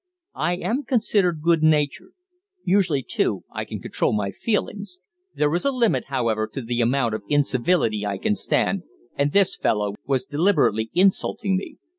I am considered good tempered. Usually, too, I can control my feelings. There is a limit, however, to the amount of incivility I can stand, and this fellow was deliberately insulting me.